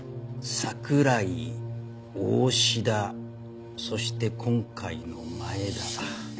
桜井大志田そして今回の前田。